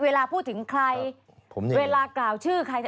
เวลาพูดถึงใครเวลากล่าวชื่อใคร